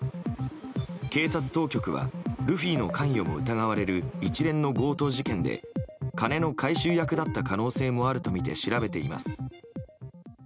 警察当局はルフィの関与も疑われる一連の強盗事件で金の回収役だった可能性もあるとみて調べています。